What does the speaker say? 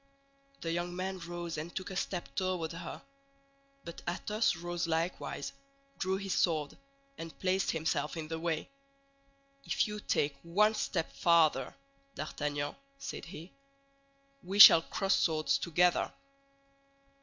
The young man rose and took a step toward her. But Athos rose likewise, drew his sword, and placed himself in the way. "If you take one step farther, D'Artagnan," said he, "we shall cross swords together."